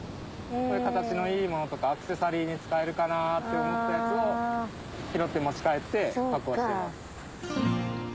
形のいいものとかアクセサリーに使えるかなって思ったやつを拾って持ち帰って加工してます。